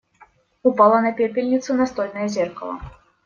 Упало на пепельницу настольное зеркало.